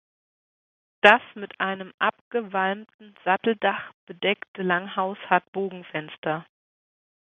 Das mit einem abgewalmten Satteldach bedeckte Langhaus hat Bogenfenster.